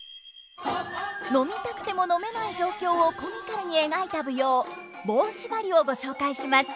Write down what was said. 飲みたくても飲めない状況をコミカルに描いた舞踊「棒しばり」をご紹介します！